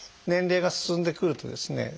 年齢が進んでくるとですね